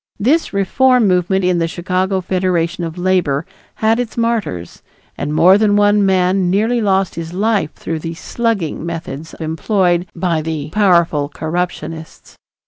This reform movement in the Chicago Federation of Labor had its martyrs, and more than one man nearly lost his life through the "slugging" methods employed by the powerful corruptionists.